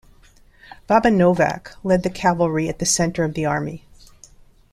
Baba Novac led the cavalry at the center of the army.